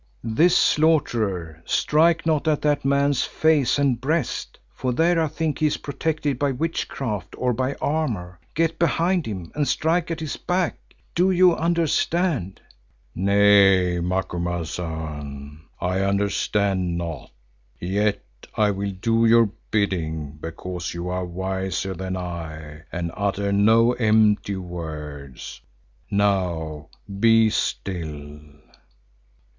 "This, Slaughterer. Strike not at that man's face and breast, for there I think he is protected by witchcraft or by armour. Get behind him and strike at his back. Do you understand?" "Nay, Macumazahn, I understand not. Yet I will do your bidding because you are wiser than I and utter no empty words. Now be still."